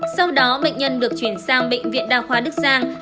sau đó bệnh nhân được chuyển sang bệnh viện đa khoa đức giang